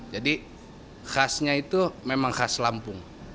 jadi khasnya itu memang khas lampung